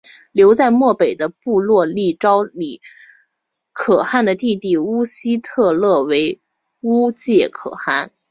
留在漠北的部落立昭礼可汗的弟弟乌希特勒为乌介可汗。